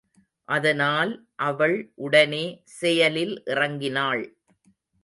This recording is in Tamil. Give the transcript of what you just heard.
அதனால் அவள் உடனே செயலில் இறங்கினாள்.